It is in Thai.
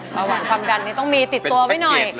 ระหว่างความดันนี้ต้องมีติดตัวไว้หน่อย